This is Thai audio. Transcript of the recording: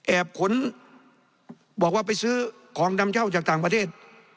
ขนบอกว่าไปซื้อของนำเช่าจากต่างประเทศ